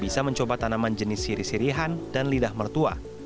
bisa mencoba tanaman jenis siri sirihan dan lidah mertua